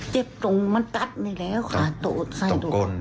เจ็บตรงมันตัดนี่แหละค่ะตรงก้น